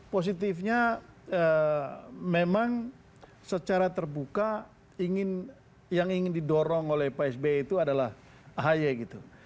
positifnya memang secara terbuka yang ingin didorong oleh pak sby itu adalah ahy gitu